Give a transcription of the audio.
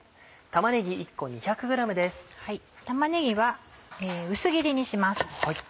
玉ねぎは薄切りにします。